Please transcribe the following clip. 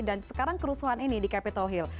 dan sekarang kerusuhan ini di capitol hill